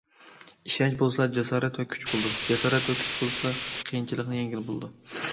ئىشەنچ بولسىلا، جاسارەت ۋە كۈچ بولىدۇ، جاسارەت ۋە كۈچ بولسىلا، قىيىنچىلىقنى يەڭگىلى بولىدۇ.